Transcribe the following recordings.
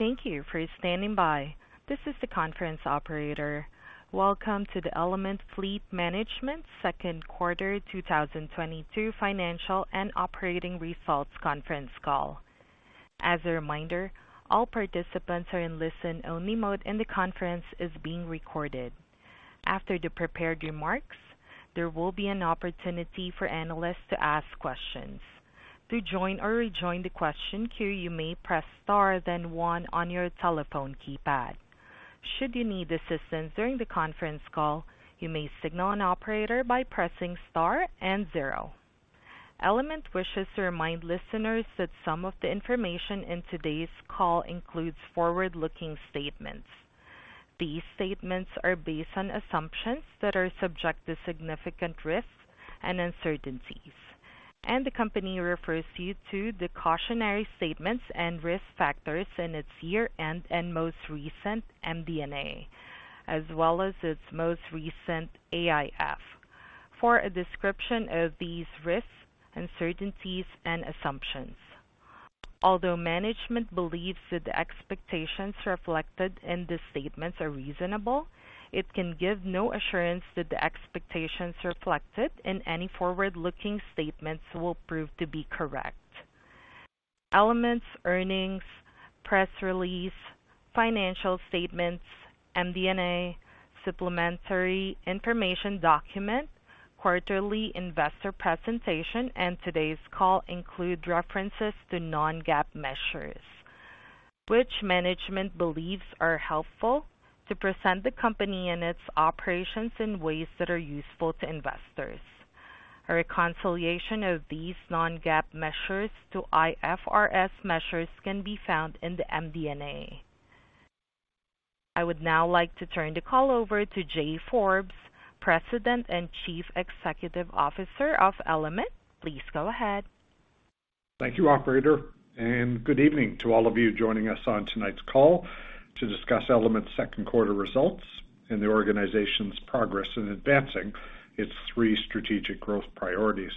Thank you for standing by. This is the conference operator. Welcome to the Element Fleet Management second quarter 2022 financial and operating results conference call. As a reminder, all participants are in listen-only mode, and the conference is being recorded. After the prepared remarks, there will be an opportunity for analysts to ask questions. To join or rejoin the question queue, you may press Star, then one on your telephone keypad. Should you need assistance during the conference call, you may signal an operator by pressing Star and zero. Element wishes to remind listeners that some of the information in today's call includes forward-looking statements. These statements are based on assumptions that are subject to significant risks and uncertainties, and the company refers you to the cautionary statements and risk factors in its year-end and most recent MD&A, as well as its most recent AIF for a description of these risks, uncertainties, and assumptions. Although management believes that the expectations reflected in these statements are reasonable, it can give no assurance that the expectations reflected in any forward-looking statements will prove to be correct. Element's earnings press release, financial statements, MD&A, supplementary information document, quarterly investor presentation, and today's call include references to non-GAAP measures, which management believes are helpful to present the company and its operations in ways that are useful to investors. A reconciliation of these non-GAAP measures to IFRS measures can be found in the MD&A. I would now like to turn the call over to Jay Forbes, President and Chief Executive Officer of Element. Please go ahead. Thank you, operator, and good evening to all of you joining us on tonight's call to discuss Element's second quarter results and the organization's progress in advancing its three strategic growth priorities.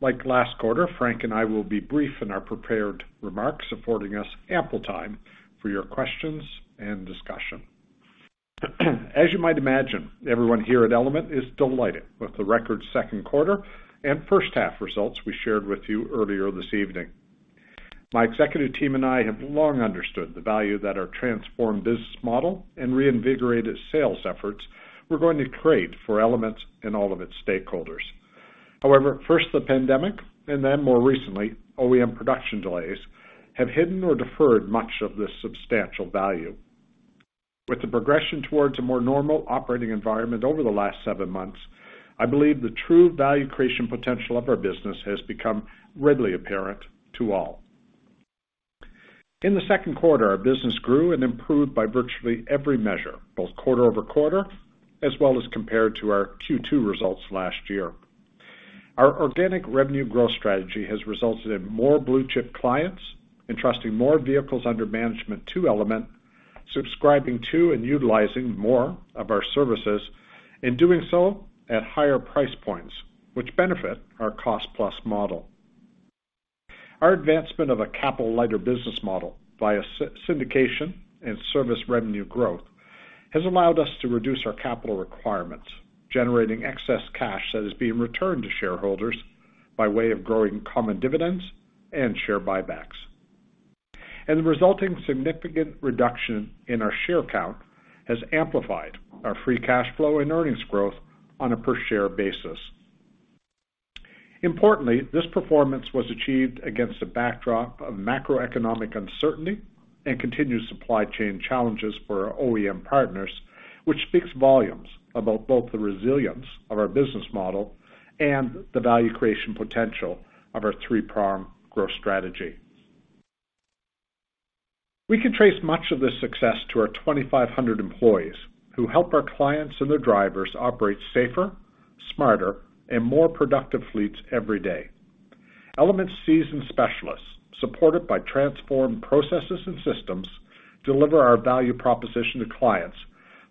Like last quarter, Frank and I will be brief in our prepared remarks, affording us ample time for your questions and discussion. As you might imagine, everyone here at Element is delighted with the record second quarter and first half results we shared with you earlier this evening. My executive team and I have long understood the value that our transformed business model and reinvigorated sales efforts were going to create for Element and all of its stakeholders. However, first the pandemic and then more recently, OEM production delays have hidden or deferred much of this substantial value. With the progression towards a more normal operating environment over the last seven months, I believe the true value creation potential of our business has become readily apparent to all. In the second quarter, our business grew and improved by virtually every measure, both quarter-over-quarter as well as compared to our Q2 results last year. Our organic revenue growth strategy has resulted in more blue-chip clients entrusting more vehicles under management to Element, subscribing to and utilizing more of our services, and doing so at higher price points, which benefit our cost-plus model. Our advancement of a capital-lighter business model via syndication and service revenue growth has allowed us to reduce our capital requirements, generating excess cash that is being returned to shareholders by way of growing common dividends and share buybacks. The resulting significant reduction in our share count has amplified our free cash flow and earnings growth on a per share basis. Importantly, this performance was achieved against a backdrop of macroeconomic uncertainty and continued supply chain challenges for our OEM partners, which speaks volumes about both the resilience of our business model and the value creation potential of our three-pronged growth strategy. We can trace much of this success to our 2,500 employees who help our clients and their drivers operate safer, smarter, and more productive fleets every day. Element's seasoned specialists, supported by transformed processes and systems, deliver our value proposition to clients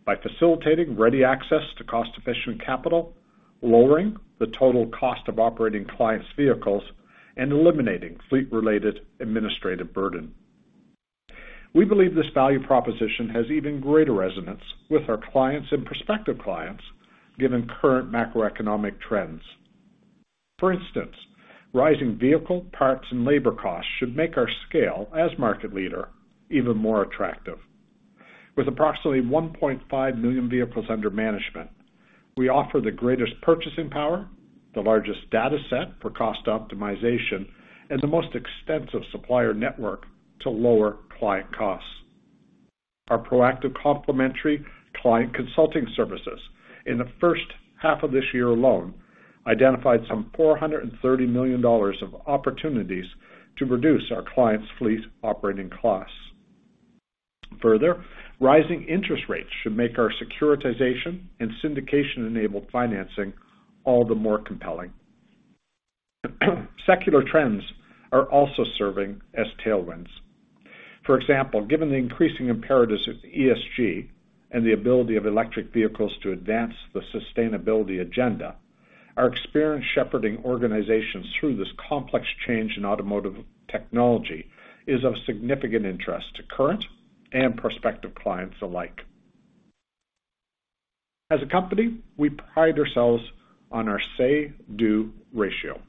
by facilitating ready access to cost-efficient capital, lowering the total cost of operating clients' vehicles, and eliminating fleet-related administrative burden. We believe this value proposition has even greater resonance with our clients and prospective clients given current macroeconomic trends. For instance, rising vehicle parts and labor costs should make our scale as market leader even more attractive. With approximately 1.5 million vehicles under management, we offer the greatest purchasing power, the largest data set for cost optimization, and the most extensive supplier network to lower client costs. Our proactive complementary client consulting services in the first half of this year alone identified some $430 million of opportunities to reduce our clients' fleet operating costs. Further, rising interest rates should make our securitization and syndication-enabled financing all the more compelling. Secular trends are also serving as tailwinds. For example, given the increasing imperatives of ESG and the ability of electric vehicles to advance the sustainability agenda. Our experience shepherding organizations through this complex change in automotive technology is of significant interest to current and prospective clients alike. As a company, we pride ourselves on our say-do ratio,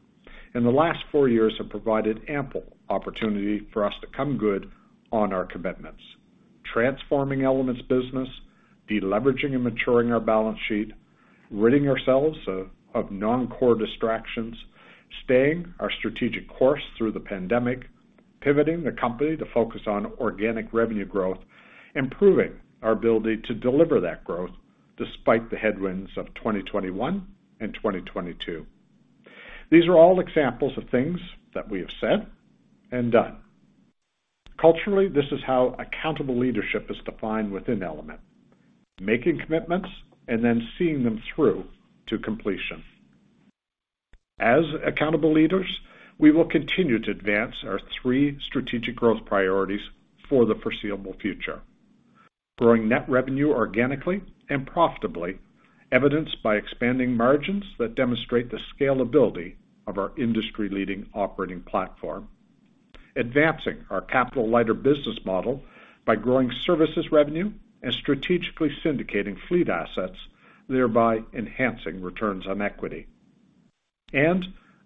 and the last four years have provided ample opportunity for us to come good on our commitments, transforming Element's business, de-leveraging and maturing our balance sheet, ridding ourselves of non-core distractions, staying our strategic course through the pandemic, pivoting the company to focus on organic revenue growth, improving our ability to deliver that growth despite the headwinds of 2021 and 2022. These are all examples of things that we have said and done. Culturally, this is how accountable leadership is defined within Element, making commitments and then seeing them through to completion. As accountable leaders, we will continue to advance our three strategic growth priorities for the foreseeable future, growing net revenue organically and profitably, evidenced by expanding margins that demonstrate the scalability of our industry-leading operating platform. Advancing our capital-lighter business model by growing services revenue and strategically syndicating fleet assets, thereby enhancing returns on equity.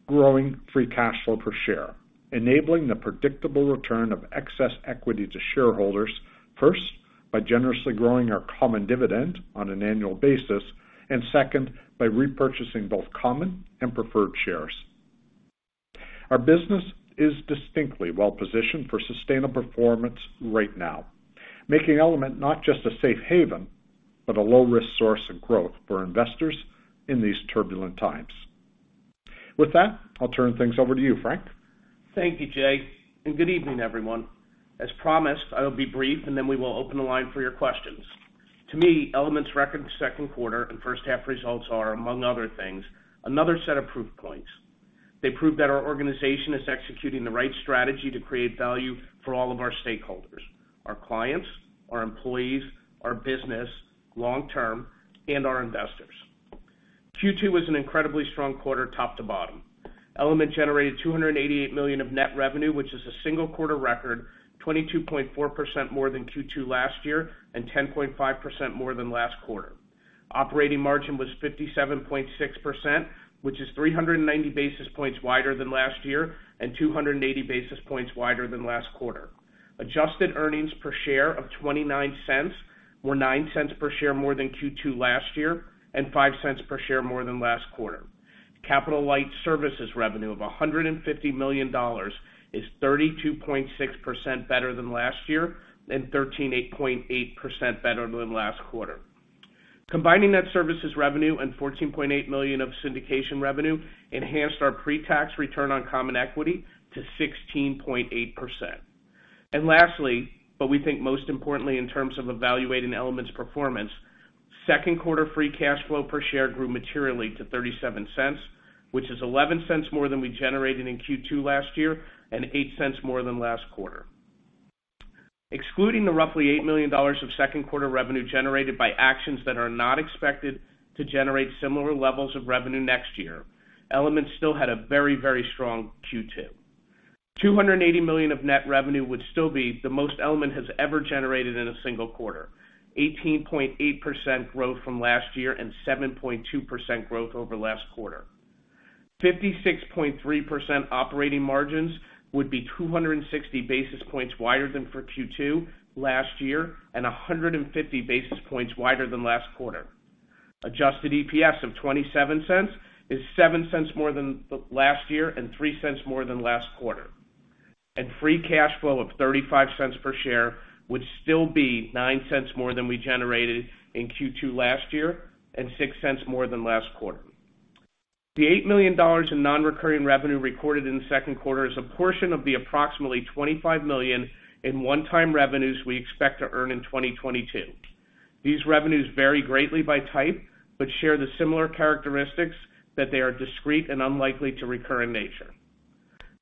Growing free cash flow per share, enabling the predictable return of excess equity to shareholders, first, by generously growing our common dividend on an annual basis, and second, by repurchasing both common and preferred shares. Our business is distinctly well-positioned for sustainable performance right now, making Element not just a safe haven, but a low-risk source of growth for investors in these turbulent times. With that, I'll turn things over to you, Frank. Thank you, Jay, and good evening, everyone. As promised, I will be brief, and then we will open the line for your questions. To me, Element's record second quarter and first half results are, among other things, another set of proof points. They prove that our organization is executing the right strategy to create value for all of our stakeholders, our clients, our employees, our business long term, and our investors. Q2 was an incredibly strong quarter top to bottom. Element generated 288 million of net revenue, which is a single-quarter record, 22.4% more than Q2 last year and 10.5% more than last quarter. Operating margin was 57.6%, which is 390 basis points wider than last year and 280 basis points wider than last quarter. Adjusted earnings per share of $0.29 were $0.09 per share more than Q2 last year and $0.05 per share more than last quarter. Capital-light services revenue of $150 million is 32.6% better than last year and 13.8% better than last quarter. Combining that services revenue and $14.8 million of syndication revenue enhanced our pre-tax return on common equity to 16.8%. Lastly, but we think most importantly in terms of evaluating Element's performance, second quarter free cash flow per share grew materially to $0.37, which is $0.11 more than we generated in Q2 last year and $0.08 more than last quarter. Excluding the roughly $8 million of second quarter revenue generated by actions that are not expected to generate similar levels of revenue next year, Element still had a very, very strong Q2. $280 million of net revenue would still be the most Element has ever generated in a single quarter, 18.8% growth from last year and 7.2% growth over last quarter. 56.3% operating margins would be 260 basis points wider than for Q2 last year and 150 basis points wider than last quarter. Adjusted EPS of $0.27 is $0.07 more than last year and $0.03 more than last quarter. Free cash flow of $0.35 per share would still be $0.09 more than we generated in Q2 last year and $0.06 more than last quarter. The $8 million in non-recurring revenue recorded in the second quarter is a portion of the approximately $25 million in one-time revenues we expect to earn in 2022. These revenues vary greatly by type, but share the similar characteristics that they are discrete and unlikely to recur in nature.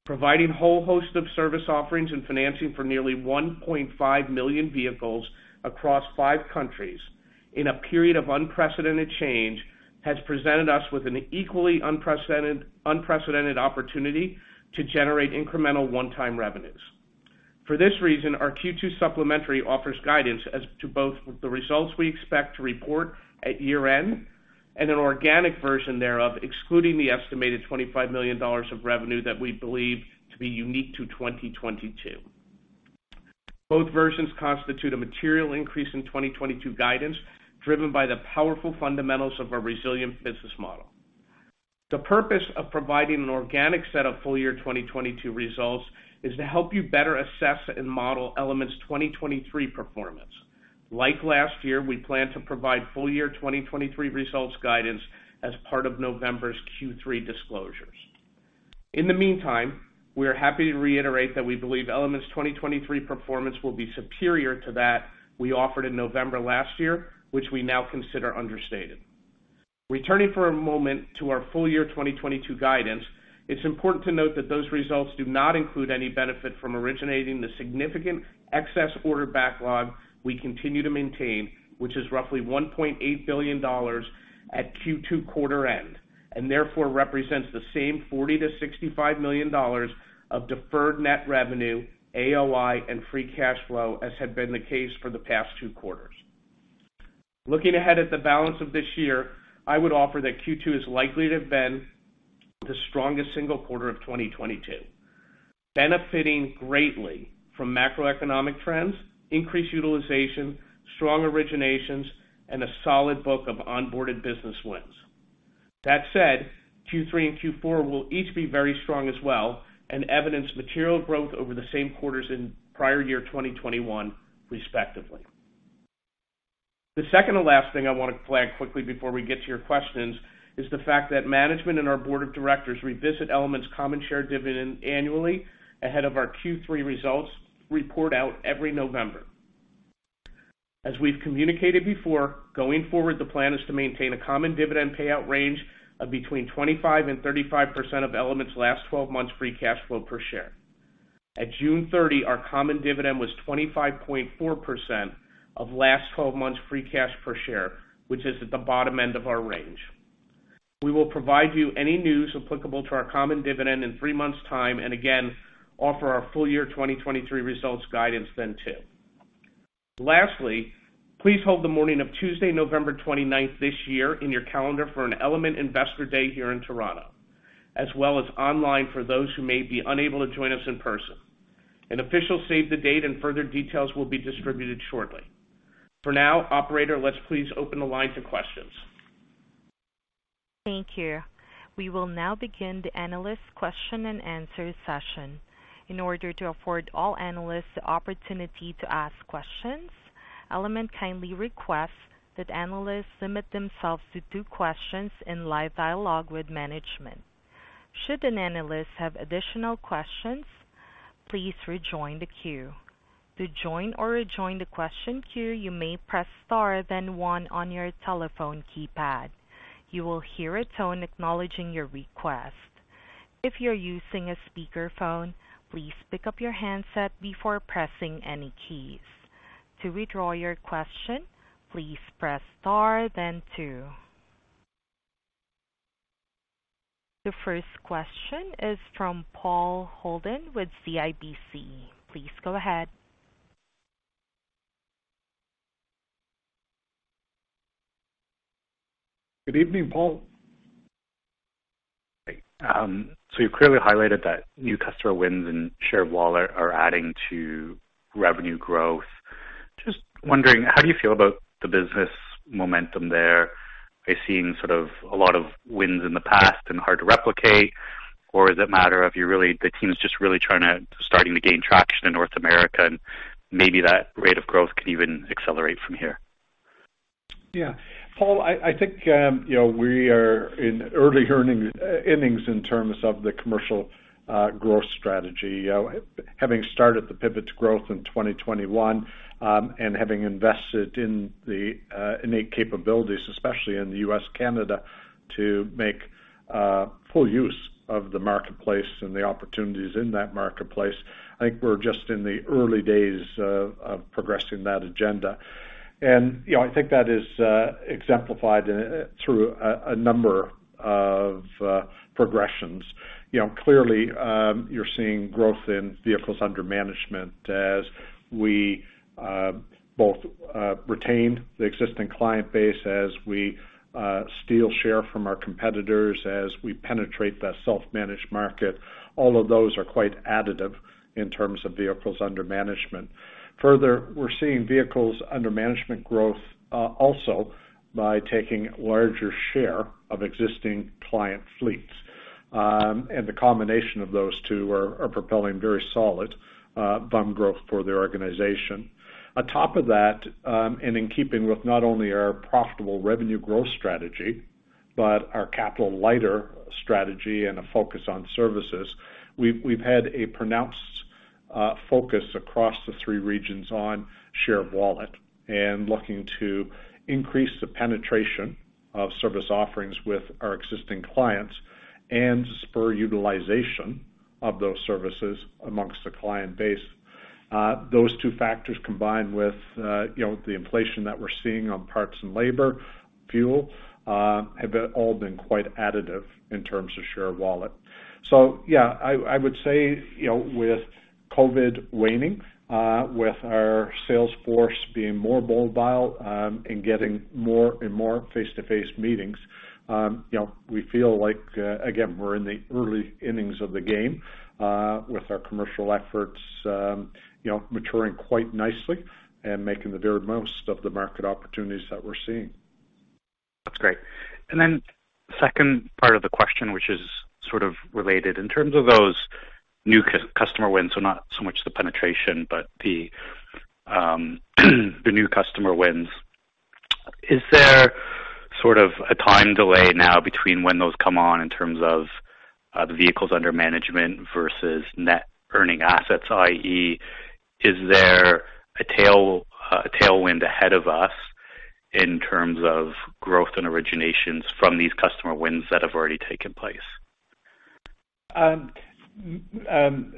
Providing a whole host of service offerings and financing for nearly 1.5 million vehicles across five countries in a period of unprecedented change has presented us with an equally unprecedented opportunity to generate incremental one-time revenues. For this reason, our Q2 supplementary offers guidance as to both the results we expect to report at year-end and an organic version thereof, excluding the estimated $25 million of revenue that we believe to be unique to 2022. Both versions constitute a material increase in 2022 guidance driven by the powerful fundamentals of our resilient business model. The purpose of providing an organic set of full-year 2022 results is to help you better assess and model Element's 2023 performance. Like last year, we plan to provide full-year 2023 results guidance as part of November's Q3 disclosures. In the meantime, we are happy to reiterate that we believe Element's 2023 performance will be superior to that we offered in November last year, which we now consider understated. Returning for a moment to our full-year 2022 guidance, it's important to note that those results do not include any benefit from originating the significant excess order backlog we continue to maintain, which is roughly $1.8 billion at Q2 quarter end. Therefore represents the same $40 million-$65 million of deferred net revenue, AOI, and free cash flow as had been the case for the past two quarters. Looking ahead at the balance of this year, I would offer that Q2 is likely to have been the strongest single quarter of 2022, benefiting greatly from macroeconomic trends, increased utilization, strong originations, and a solid book of onboarded business wins. That said, Q3 and Q4 will each be very strong as well and evidence material growth over the same quarters in prior year 2021 respectively. The second to last thing I want to flag quickly before we get to your questions is the fact that management and our board of directors revisit Element's common share dividend annually ahead of our Q3 results report out every November. As we've communicated before, going forward, the plan is to maintain a common dividend payout range of between 25% and 35% of Element's last twelve months free cash flow per share. At June 30, our common dividend was 25.4% of last twelve months free cash flow per share, which is at the bottom end of our range. We will provide you any news applicable to our common dividend in three months time, and again, offer our full year 2023 results guidance then too. Lastly, please hold the morning of Tuesday, November 29th this year in your calendar for an Element Investor Day here in Toronto, as well as online for those who may be unable to join us in person. An official save the date and further details will be distributed shortly. For now, operator, let's please open the line to questions. Thank you. We will now begin the analyst question and answer session. In order to afford all analysts the opportunity to ask questions, Element kindly requests that analysts limit themselves to two questions in live dialogue with management. Should an analyst have additional questions, please rejoin the queue. To join or rejoin the question queue, you may press Star, then one on your telephone keypad. You will hear a tone acknowledging your request. If you're using a speakerphone, please pick up your handset before pressing any keys. To withdraw your question, please press Star then two. The first question is from Paul Holden with CIBC. Please go ahead. Good evening, Paul. You clearly highlighted that new customer wins and share wallet are adding to revenue growth. Just wondering how do you feel about the business momentum there? Are you seeing sort of a lot of wins in the past and hard to replicate? Or is it a matter of the team's just really starting to gain traction in North America, and maybe that rate of growth could even accelerate from here? Yeah. Paul, I think you know, we are in early innings in terms of the commercial growth strategy. Having started the pivot to growth in 2021 and having invested in the innate capabilities, especially in the U.S., Canada, to make full use of the marketplace and the opportunities in that marketplace, I think we're just in the early days of progressing that agenda. You know, I think that is exemplified through a number of progressions. You know, clearly, you're seeing growth in vehicles under management as we both retain the existing client base, as we steal share from our competitors, as we penetrate the self-managed market. All of those are quite additive in terms of vehicles under management. Further, we're seeing vehicles under management growth also by taking larger share of existing client fleets. The combination of those two are propelling very solid VUM growth for their organization. On top of that, in keeping with not only our profitable revenue growth strategy, but our capital lighter strategy and a focus on services, we've had a pronounced focus across the three regions on share of wallet and looking to increase the penetration of service offerings with our existing clients and spur utilization of those services amongst the client base. Those two factors combined with you know, the inflation that we're seeing on parts and labor, fuel, have all been quite additive in terms of share of wallet. Yeah, I would say, you know, with COVID waning, with our sales force being more mobile, and getting more and more face-to-face meetings, you know, we feel like, again, we're in the early innings of the game, with our commercial efforts, you know, maturing quite nicely and making the very most of the market opportunities that we're seeing. That's great. Second part of the question, which is sort of related. In terms of those new customer wins, so not so much the penetration, but the new customer wins. Is there sort of a time delay now between when those come on in terms of the vehicles under management versus Net Earning Assets, i.e., is there a tailwind ahead of us in terms of growth and originations from these customer wins that have already taken place?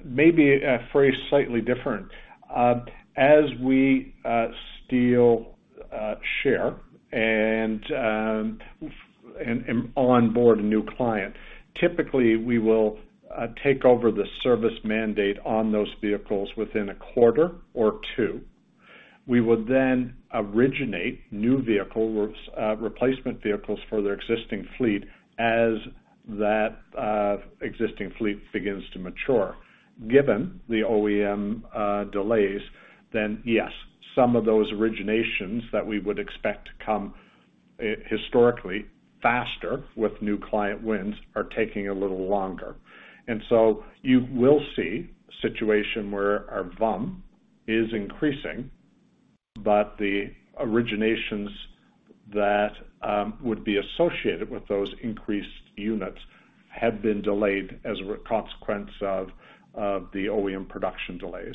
Maybe phrase it slightly different. As we steal share and onboard a new client, typically, we will take over the service mandate on those vehicles within a quarter or two. We will then originate new vehicle replacement vehicles for their existing fleet as that existing fleet begins to mature. Given the OEM delays, then yes, some of those originations that we would expect to come historically faster with new client wins are taking a little longer. You will see a situation where our VUM is increasing, but the originations that would be associated with those increased units have been delayed as a consequence of the OEM production delays.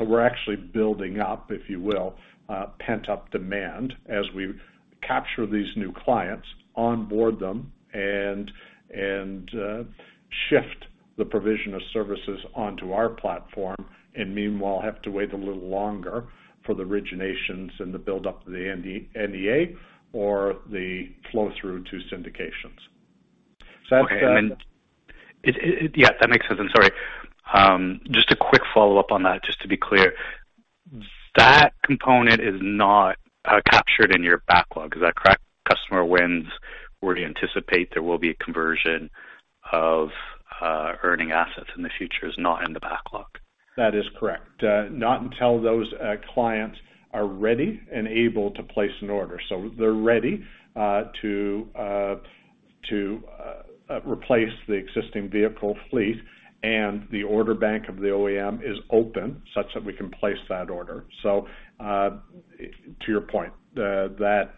We're actually building up, if you will, pent-up demand as we capture these new clients, onboard them, and shift the provision of services onto our platform, and meanwhile, have to wait a little longer for the originations and the buildup of the NEA or the flow through to syndications. That's Yeah, that makes sense. I'm sorry. Just a quick follow-up on that, just to be clear. That component is not captured in your backlog. Is that correct? Customer wins where you anticipate there will be a conversion of earning assets in the future is not in the backlog. That is correct. Not until those clients are ready and able to place an order. They're ready to replace the existing vehicle fleet, and the order bank of the OEM is open such that we can place that order. To your point, that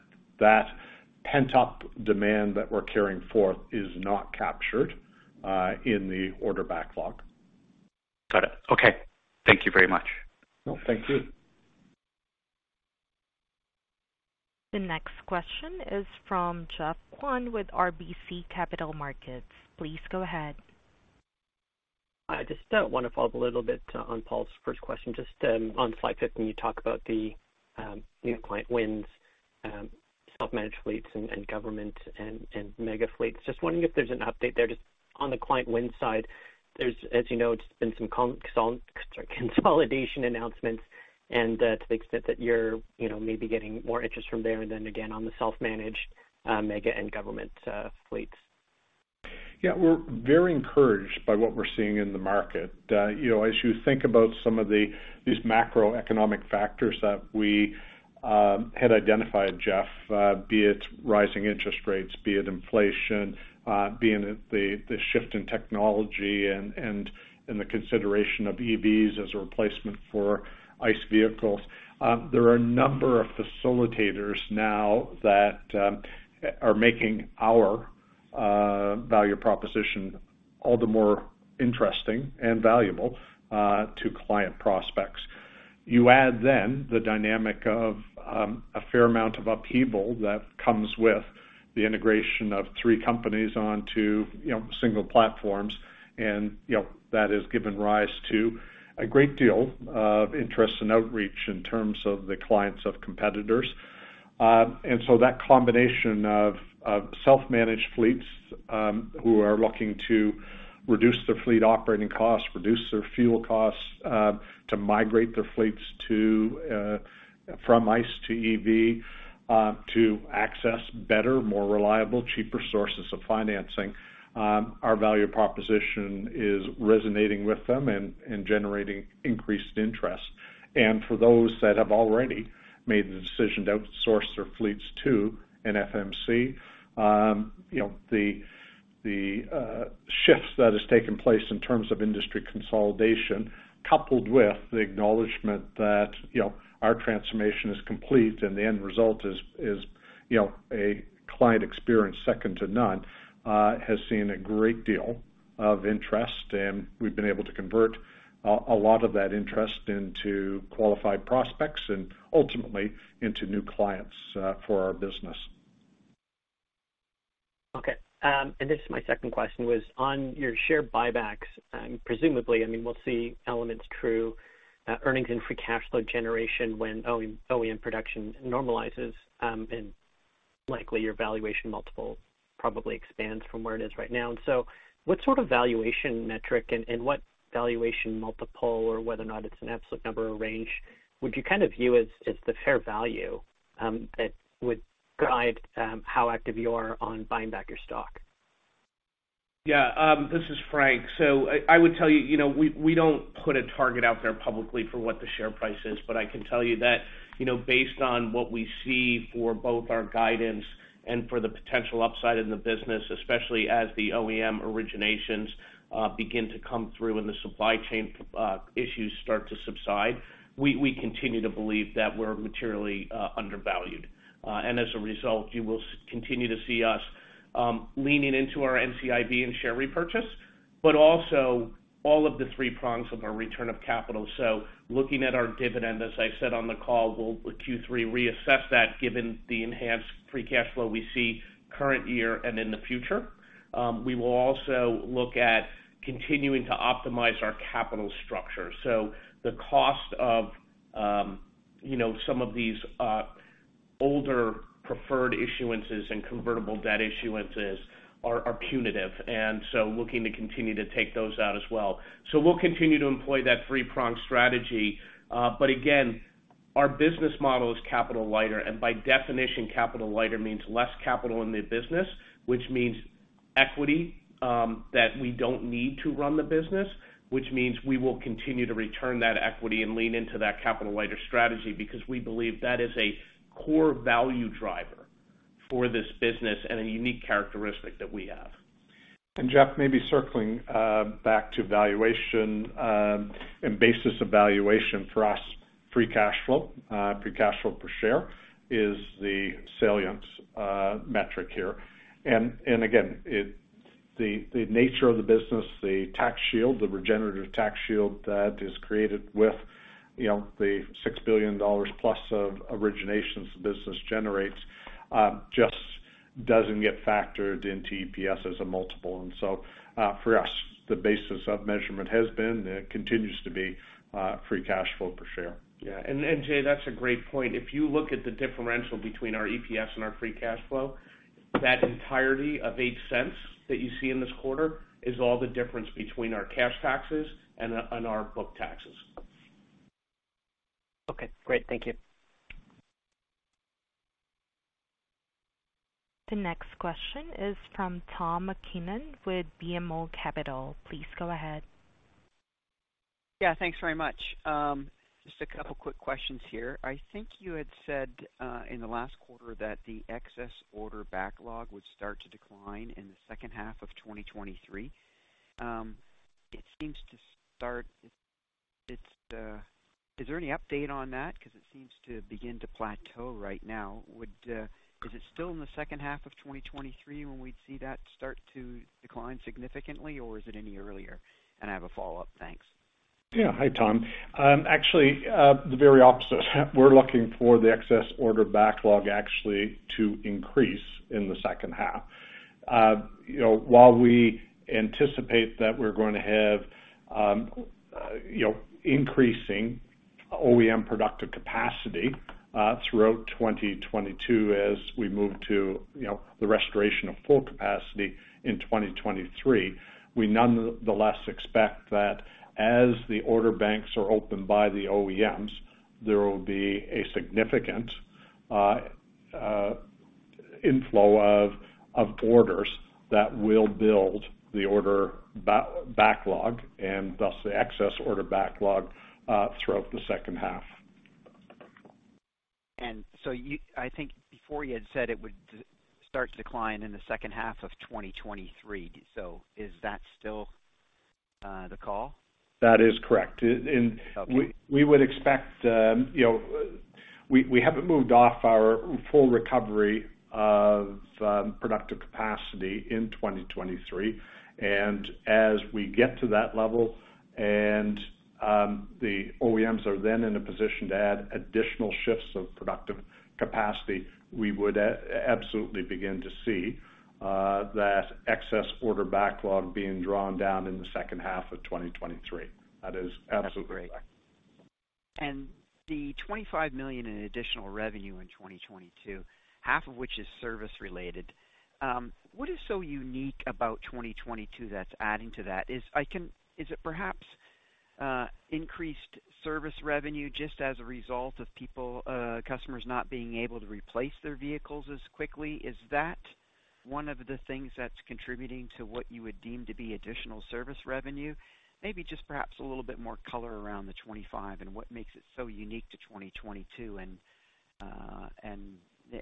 pent-up demand that we're carrying forth is not captured in the order backlog. Got it. Okay. Thank you very much. No, thank you. The next question is from Geoffrey Kwan with RBC Capital Markets. Please go ahead. I just want to follow up a little bit on Paul's first question, just on the fifth slide when you talk about the new client wins, self-managed fleets and government and mega fleets. Just wondering if there's an update there. Just on the client wins side, there's, as you know, it's been some consolidation announcements and to the extent that you're, you know, maybe getting more interest from there, and then again on the self-managed mega and government fleets. Yeah, we're very encouraged by what we're seeing in the market. You know, as you think about some of these macroeconomic factors that we had identified, Jeff, be it rising interest rates, be it inflation, be it the shift in technology and the consideration of EVs as a replacement for ICE vehicles. There are a number of facilitators now that are making our value proposition all the more interesting and valuable to client prospects. You add the dynamic of a fair amount of upheaval that comes with the integration of three companies onto, you know, single platforms, and, you know, that has given rise to a great deal of interest and outreach in terms of the clients of competitors. That combination of self-managed fleets who are looking to reduce their fleet operating costs, reduce their fuel costs, to migrate their fleets from ICE to EV, to access better, more reliable, cheaper sources of financing. Our value proposition is resonating with them and generating increased interest. For those that have already made the decision to outsource their fleets to an FMC, you know, the shifts that has taken place in terms of industry consolidation, coupled with the acknowledgment that, you know, our transformation is complete and the end result is, you know, a client experience second to none, has seen a great deal of interest, and we've been able to convert a lot of that interest into qualified prospects and ultimately into new clients for our business. Okay. This is my second question is on your share buybacks, presumably, I mean, we'll see Element's true earnings and free cash flow generation when OEM production normalizes, and likely your valuation multiple probably expands from where it is right now. What sort of valuation metric and what valuation multiple or whether or not it's an absolute number or range would you kind of view as the fair value that would guide how active you are on buying back your stock? Yeah. This is Frank. I would tell you know, we don't put a target out there publicly for what the share price is. I can tell you that, you know, based on what we see for both our guidance and for the potential upside in the business, especially as the OEM originations begin to come through and the supply chain issues start to subside, we continue to believe that we're materially undervalued. As a result, you will continue to see us leaning into our NCIB and share repurchase, but also all of the three prongs of our return of capital. Looking at our dividend, as I said on the call, we'll Q3 reassess that given the enhanced free cash flow we see current year and in the future. We will also look at continuing to optimize our capital structure. The cost of, you know, some of these older preferred issuances and convertible debt issuances are punitive, and so looking to continue to take those out as well. We'll continue to employ that three-pronged strategy. Again, our business model is capital lighter, and by definition, capital lighter means less capital in the business, which means equity that we don't need to run the business, which means we will continue to return that equity and lean into that capital lighter strategy because we believe that is a core value driver for this business and a unique characteristic that we have. Jeff, maybe circling back to valuation and basis of valuation for us, free cash flow, free cash flow per share is the salience metric here. Again, the nature of the business, the tax shield, the regenerative tax shield that is created with, you know, the $6 billion plus of originations the business generates, just doesn't get factored into EPS as a multiple. For us, the basis of measurement has been and continues to be, free cash flow per share. Yeah. Jay, that's a great point. If you look at the differential between our EPS and our free cash flow, that entirety of $0.08 that you see in this quarter is all the difference between our cash taxes and our book taxes. Okay, great. Thank you. The next question is from Tom MacKinnon with BMO Capital Markets. Please go ahead. Yeah, thanks very much. Just a couple quick questions here. I think you had said in the last quarter that the excess order backlog would start to decline in the second half of 2023. Is there any update on that? Because it seems to begin to plateau right now. Is it still in the second half of 2023 when we'd see that start to decline significantly, or is it any earlier? I have a follow-up. Thanks. Yeah. Hi, Tom. Actually, the very opposite. We're looking for the excess order backlog actually to increase in the second half. You know, while we anticipate that we're gonna have increasing OEM productive capacity throughout 2022 as we move to the restoration of full capacity in 2023, we nonetheless expect that as the order banks are opened by the OEMs, there will be a significant inflow of orders that will build the order backlog, and thus the excess order backlog throughout the second half. I think before you had said it would start to decline in the second half of 2023. Is that still the call? That is correct. Okay. We haven't achieved full recovery of productive capacity in 2023. As we get to that level and the OEMs are then in a position to add additional shifts of productive capacity, we would absolutely begin to see that excess order backlog being drawn down in the second half of 2023. That is absolutely correct. That's great. 25 million in additional revenue in 2022, half of which is service related, what is so unique about 2022 that's adding to that? Is it perhaps increased service revenue just as a result of people, customers not being able to replace their vehicles as quickly? Is that one of the things that's contributing to what you would deem to be additional service revenue? Maybe just perhaps a little bit more color around the 25 and what makes it so unique to 2022 and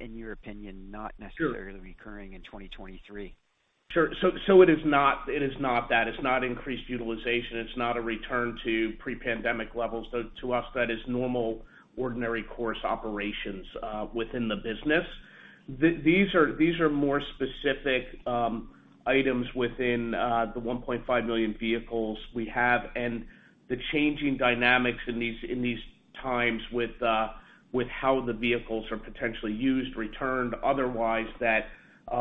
in your opinion, not necessarily. Sure. non-recurring in 2023. Sure. It is not that. It's not increased utilization. It's not a return to pre-pandemic levels. To us, that is normal ordinary course operations within the business. These are more specific items within the 1.5 million vehicles we have and the changing dynamics in these times with how the vehicles are potentially used, returned, otherwise that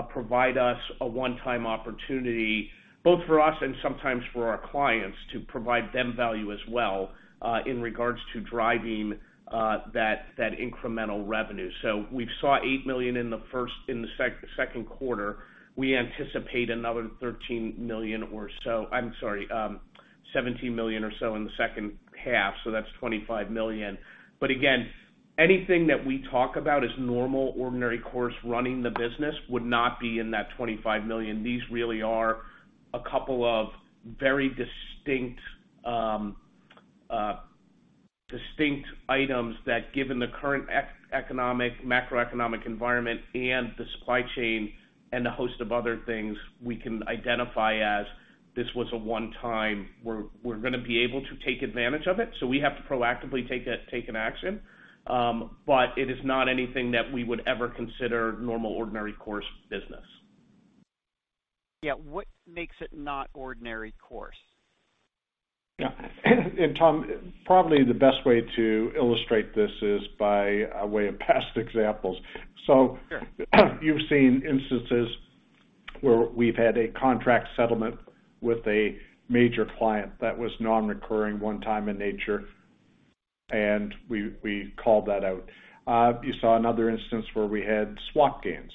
provide us a one-time opportunity, both for us and sometimes for our clients, to provide them value as well in regards to driving that incremental revenue. We've saw 8 million in the second quarter. We anticipate another 17 million or so in the second half, so that's 25 million. Again, anything that we talk about as normal ordinary course running the business would not be in that 25 million. These really are a couple of very distinct items that given the current economic, macroeconomic environment and the supply chain and a host of other things, we can identify as this was a one-time. We're gonna be able to take advantage of it, so we have to proactively take an action. It is not anything that we would ever consider normal ordinary course business. Yeah. What makes it not ordinary course? Yeah. Tom, probably the best way to illustrate this is by way of past examples. Sure. You've seen instances where we've had a contract settlement with a major client that was non-recurring, one time in nature, and we called that out. You saw another instance where we had swap gains,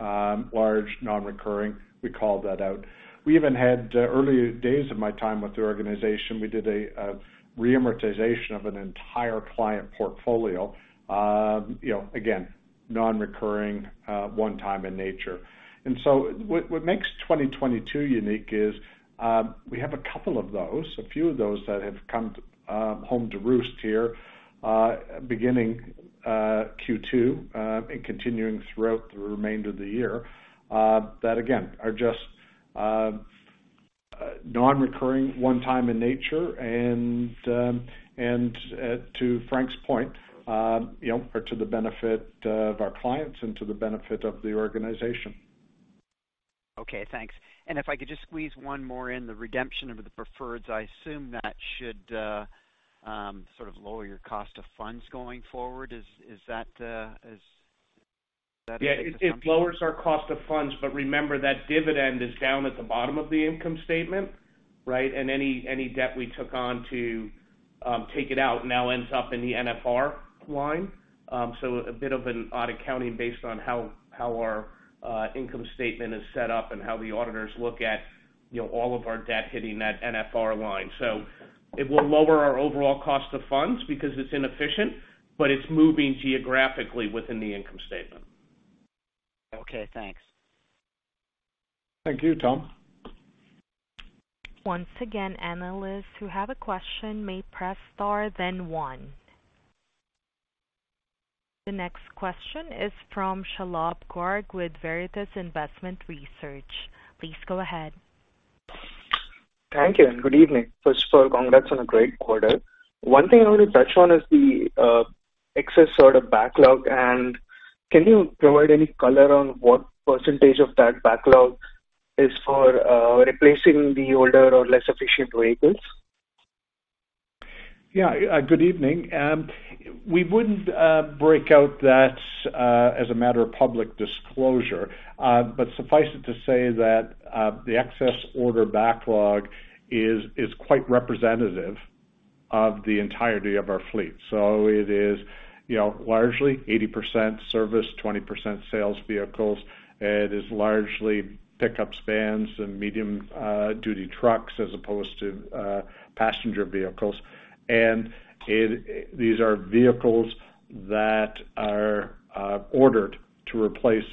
large non-recurring. We called that out. We even had early days of my time with the organization, we did a reamortization of an entire client portfolio. You know, again, non-recurring, one time in nature. What makes 2022 unique is, we have a couple of those, a few of those that have come home to roost here, beginning Q2, and continuing throughout the remainder of the year, that again, are just non-recurring, one time in nature, and to Frank's point, you know, are to the benefit of our clients and to the benefit of the organization. Okay, thanks. If I could just squeeze one more in, the redemption of the preferreds, I assume that should sort of lower your cost of funds going forward. Is that a safe assumption? Yeah. It lowers our cost of funds, but remember that dividend is down at the bottom of the income statement, right? Any debt we took on to take it out now ends up in the NFR line. A bit of an odd accounting based on how our income statement is set up and how the auditors look at, you know, all of our debt hitting that NFR line. It will lower our overall cost of funds because it's inefficient, but it's moving geographically within the income statement. Okay, thanks. Thank you, Tom. Once again, analysts who have a question may press star then one. The next question is from Shalabh Garg with Veritas Investment Research. Please go ahead. Thank you, and good evening. First of all, congrats on a great quarter. One thing I want to touch on is the excess order backlog, and can you provide any color on what percentage of that backlog is for replacing the older or less efficient vehicles? Yeah, good evening. We wouldn't break out that as a matter of public disclosure, but suffice it to say that the excess order backlog is quite representative of the entirety of our fleet. It is, you know, largely 80% service, 20% sales vehicles. It is largely pickups, vans and medium-duty trucks as opposed to passenger vehicles. These are vehicles that are ordered to replace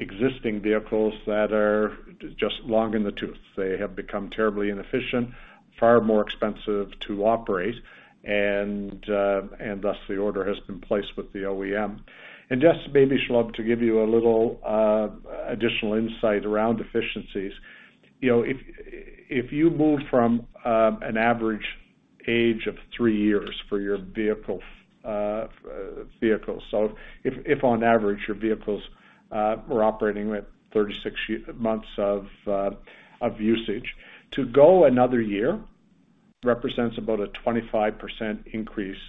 existing vehicles that are just long in the tooth. They have become terribly inefficient, far more expensive to operate, and thus the order has been placed with the OEM. Just maybe, Shalabh, to give you a little additional insight around efficiencies, you know, if you move from an average age of 3 years for your vehicle. If on average your vehicles were operating with 36 months of usage, to go another year represents about a 25% increase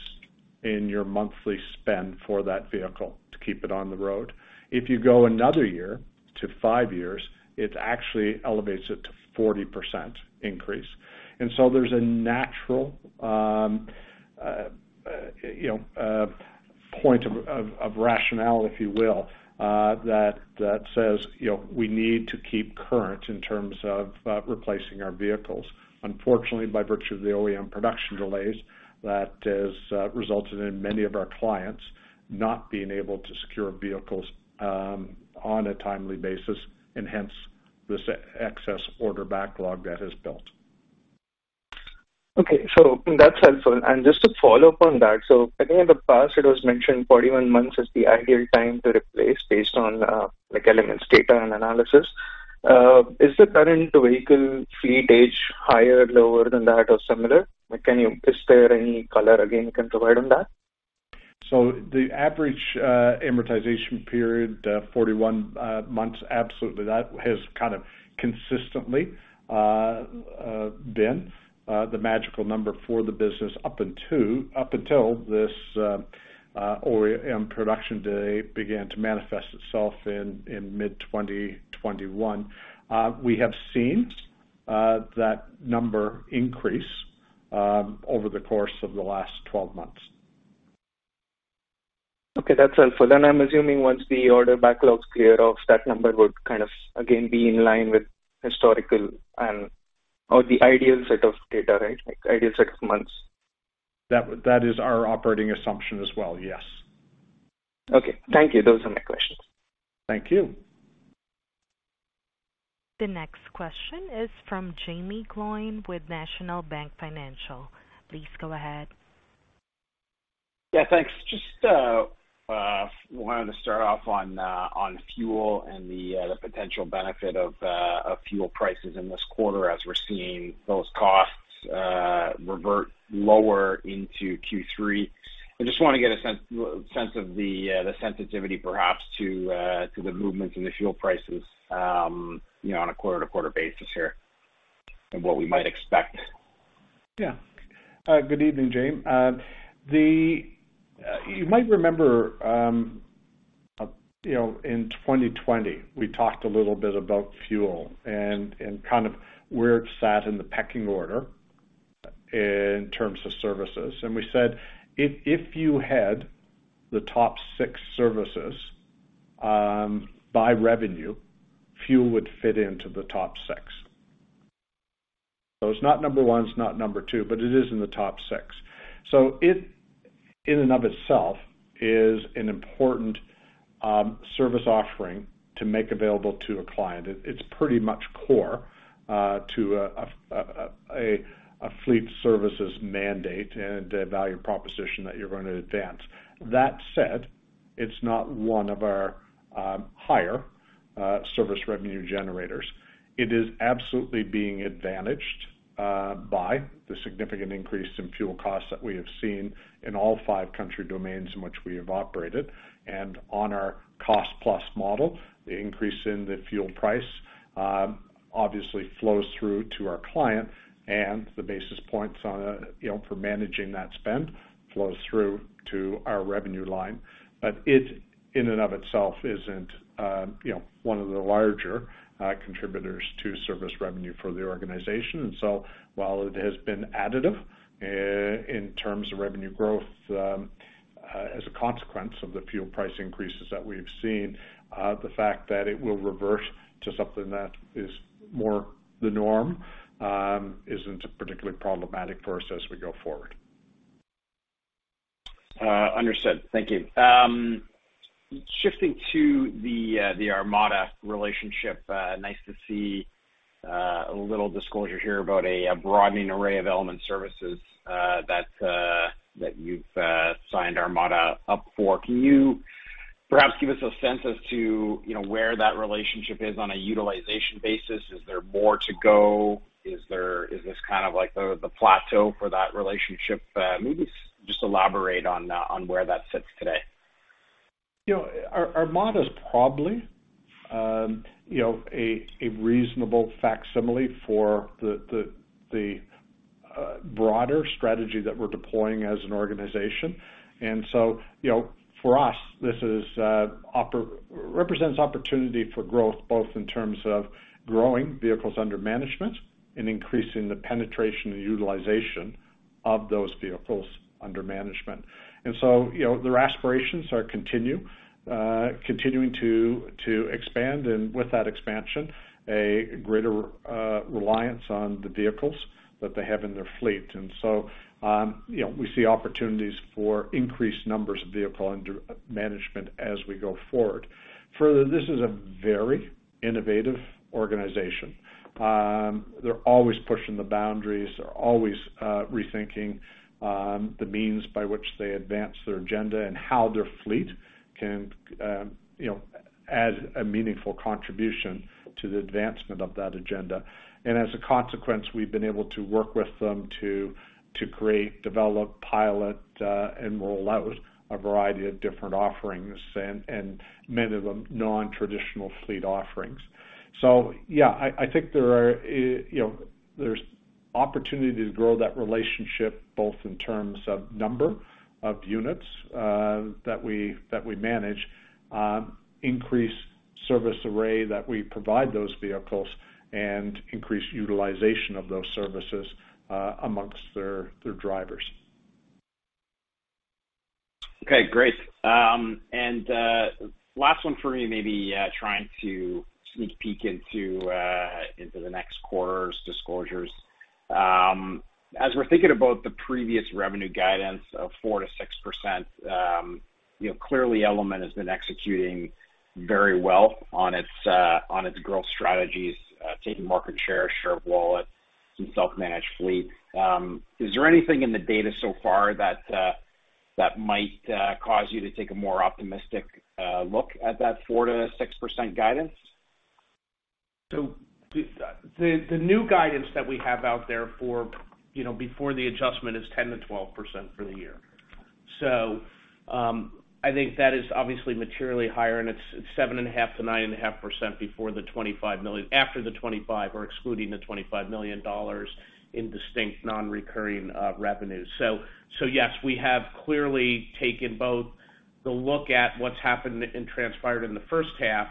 in your monthly spend for that vehicle to keep it on the road. If you go another year to 5 years, it actually elevates it to 40% increase. There's a natural you know point of rationale, if you will, that says, you know, we need to keep current in terms of replacing our vehicles. Unfortunately, by virtue of the OEM production delays, that has resulted in many of our clients not being able to secure vehicles on a timely basis, and hence this excess order backlog that has built. Okay. That's helpful. Just to follow up on that, I think in the past it was mentioned 41 months is the ideal time to replace based on, like Element's data and analysis. Is the current vehicle fleet age higher, lower than that or similar? Like, is there any color again you can provide on that? The average amortization period, 41 months, absolutely. That has kind of consistently been the magical number for the business up until this OEM production day began to manifest itself in mid 2021. We have seen that number increase over the course of the last 12 months. Okay, that's helpful. I'm assuming once the order backlogs clear off, that number would kind of again be in line with historical and or the ideal set of data, right? Like ideal set of months. That is our operating assumption as well, yes. Okay, thank you. Those are my questions. Thank you. The next question is from Jaeme Gloyn with National Bank Financial. Please go ahead. Yeah, thanks. Just wanted to start off on fuel and the potential benefit of fuel prices in this quarter as we're seeing those costs revert lower into Q3. I just wanna get a sense of the sensitivity perhaps to the movements in the fuel prices, you know, on a quarter-to-quarter basis here and what we might expect. Yeah. Good evening, James. You might remember, you know, in 2020, we talked a little bit about fuel and kind of where it sat in the pecking order in terms of services. We said if you had the top six services by revenue, fuel would fit into the top six. It's not number one, it's not number two, but it is in the top six. It in and of itself is an important service offering to make available to a client. It's pretty much core to a fleet services mandate and a value proposition that you're going to advance. That said, it's not one of our higher service revenue generators. It is absolutely being advantaged by the significant increase in fuel costs that we have seen in all five country domains in which we have operated. On our cost plus model, the increase in the fuel price obviously flows through to our client, and the basis points on a, you know, for managing that spend flows through to our revenue line. It, in and of itself isn't, you know, one of the larger contributors to service revenue for the organization. While it has been additive in terms of revenue growth as a consequence of the fuel price increases that we have seen, the fact that it will revert to something that is more the norm isn't particularly problematic for us as we go forward. Understood. Thank you. Shifting to the Armada relationship, nice to see a little disclosure here about a broadening array of Element services that you've signed Armada up for. Can you perhaps give us a sense as to, you know, where that relationship is on a utilization basis? Is there more to go? Is this kind of like the plateau for that relationship? Maybe just elaborate on where that sits today. You know, Arval is probably, you know, a reasonable facsimile for the broader strategy that we're deploying as an organization. You know, for us, this represents opportunity for growth, both in terms of growing vehicles under management and increasing the penetration and utilization of those vehicles under management. You know, their aspirations are continuing to expand, and with that expansion, a greater reliance on the vehicles that they have in their fleet. You know, we see opportunities for increased numbers of vehicles under management as we go forward. Further, this is a very innovative organization. They're always pushing the boundaries. They're always rethinking the means by which they advance their agenda and how their fleet can, you know, add a meaningful contribution to the advancement of that agenda. As a consequence, we've been able to work with them to create, develop, pilot, and roll out a variety of different offerings, and many of them non-traditional fleet offerings. Yeah, I think there are, you know, there's opportunity to grow that relationship, both in terms of number of units that we manage, increase service array that we provide those vehicles, and increase utilization of those services amongst their drivers. Okay, great. Last one for me, maybe trying to sneak peek into the next quarter's disclosures. As we're thinking about the previous revenue guidance of 4%-6%, you know, clearly Element has been executing very well on its growth strategies, taking market share of wallet in self-managed fleet. Is there anything in the data so far that might cause you to take a more optimistic look at that 4%-6% guidance? The new guidance that we have out there for you know before the adjustment is 10%-12% for the year. I think that is obviously materially higher, and it's 7.5%-9.5% before the $25 million, after the 25 or excluding the $25 million dollars in distinct non-recurring revenue. Yes, we have clearly taken both a look at what's happened and transpired in the first half,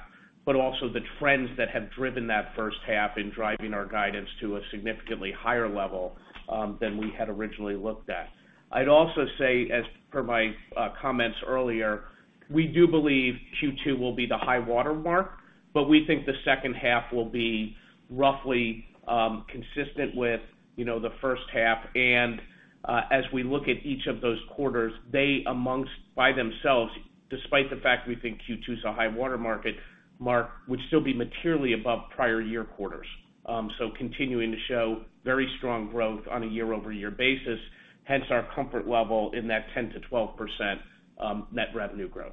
but also the trends that have driven that first half in driving our guidance to a significantly higher level than we had originally looked at. I'd also say, as per my comments earlier, we do believe Q2 will be the high watermark, but we think the second half will be roughly consistent with you know the first half. As we look at each of those quarters, they amongst themselves, despite the fact we think Q2 is a high-water mark, would still be materially above prior year quarters. Continuing to show very strong growth on a year-over-year basis, hence our comfort level in that 10%-12% net revenue growth.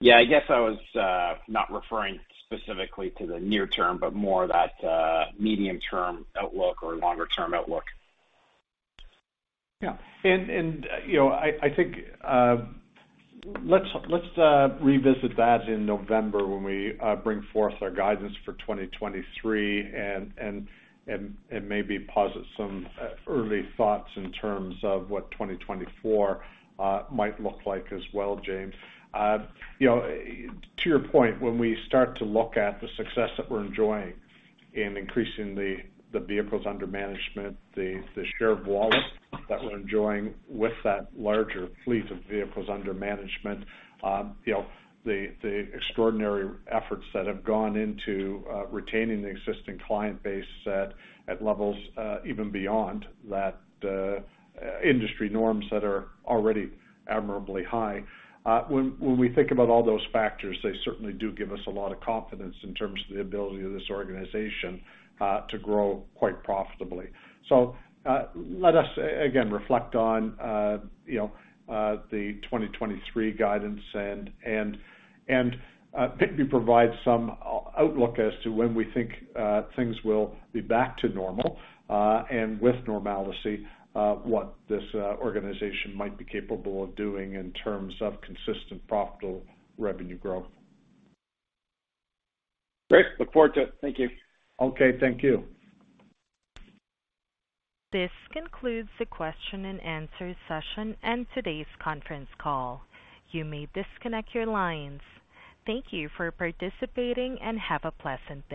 Yeah, I guess I was not referring specifically to the near term, but more that medium-term outlook or longer term outlook. Yeah. You know, I think let's revisit that in November when we bring forth our guidance for 2023 and maybe posit some early thoughts in terms of what 2024 might look like as well, James. You know, to your point, when we start to look at the success that we're enjoying in increasing the vehicles under management, the share of wallet that we're enjoying with that larger fleet of vehicles under management, you know, the extraordinary efforts that have gone into retaining the existing client base at levels even beyond that industry norms that are already admirably high. When we think about all those factors, they certainly do give us a lot of confidence in terms of the ability of this organization to grow quite profitably. Let us, again, reflect on, you know, the 2023 guidance and maybe provide some outlook as to when we think things will be back to normal and with normalcy what this organization might be capable of doing in terms of consistent, profitable revenue growth. Great. Look forward to it. Thank you. Okay. Thank you. This concludes the question and answer session and today's conference call. You may disconnect your lines. Thank you for participating, and have a pleasant day.